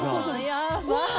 やばい！